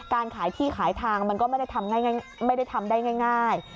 การขายที่ขายทางมันก็ไม่ได้ทำได้ง่ายง่ายไม่ได้ทำได้ง่ายง่าย